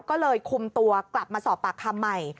ก็เลยคุมตัวกลับมาสอบปากคำใหม่